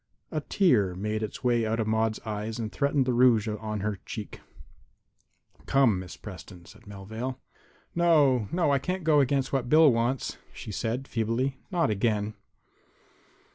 A tear made its way out of Maude's eyes and threatened the rouge on her cheek. "Come, Miss Preston," said Melvale. "No, no; I can't go against what Bill wants," she said, feebly; "not again."